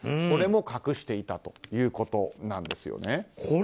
これも隠していたということです。